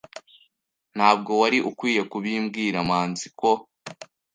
Ntabwo wari ukwiye kubibwira manzi ko.